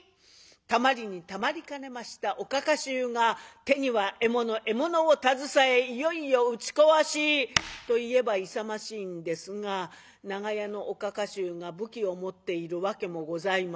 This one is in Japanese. たまりにたまりかねましたおかか衆が手には得物得物を携えいよいよ打ち壊しと言えば勇ましいんですが長屋のおかか衆が武器を持っているわけもございません。